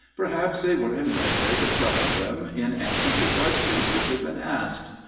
Perhaps they were invented, some of them, in answer to questions which had been asked.